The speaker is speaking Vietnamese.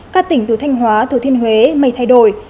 các tỉnh từ thanh hóa từ thiên huế mây thay đổi